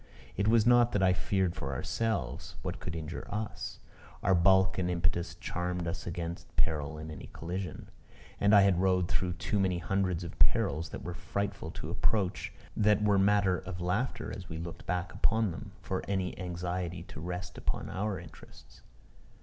It was not that I feared for ourselves. What could injure us? Our bulk and impetus charmed us against peril in any collision. And I had rode through too many hundreds of perils that were frightful to approach, that were matter of laughter as we looked back upon them, for any anxiety to rest upon our interests.